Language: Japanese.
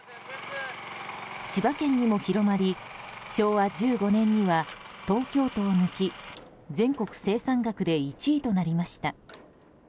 千葉県にも広がり昭和１５年には東京都を抜き全国生産額で１位となりました。